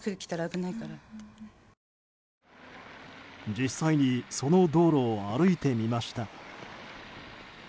実際にその道路を歩いてみました。